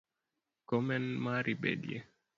Kom en mari bedie